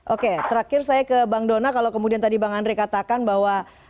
oke terakhir saya ke bang dona kalau kemudian tadi bang andre katakan bahwa